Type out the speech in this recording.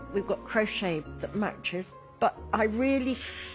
はい。